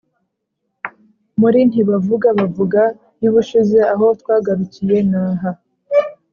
Muri Ntibavuga Bavuga y’ubushize aho twagarukiye naha